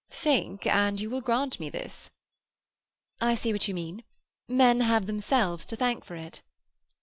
Think, and you will grant me this." "I see what you mean. Men have themselves to thank for it."